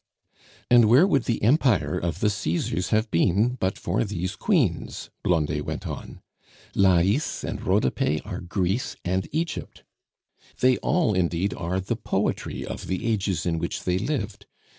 "And where would the empire of the Caesars have been but for these queens?" Blondet went on; "Lais and Rhodope are Greece and Egypt. They all indeed are the poetry of the ages in which they lived.